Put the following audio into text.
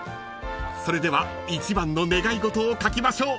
［それでは一番の願い事を書きましょう］